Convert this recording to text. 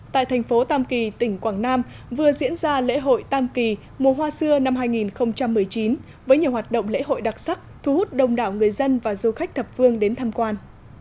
tại thành phố tam kỳ tỉnh quảng nam vừa diễn ra lễ hội tam kỳ mùa hoa xưa năm hai nghìn một mươi chín với nhiều hoạt động lễ hội đặc sắc thu hút đông đảo người dân và du khách thập phương đến tham quan